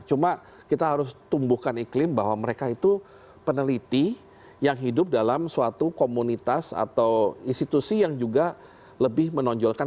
cuma kita harus tumbuhkan iklim bahwa mereka itu peneliti yang hidup dalam suatu komunitas atau institusi yang juga lebih menonjolkan